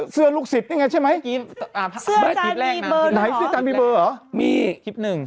เสื้อข้างหลังเสื้อซีนบ